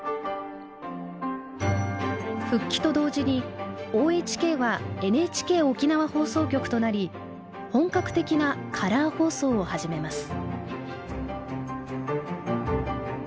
復帰と同時にＯＨＫはＮＨＫ沖縄放送局となり本格的なカラー放送を始めます。